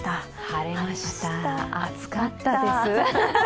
晴れました、暑かったです。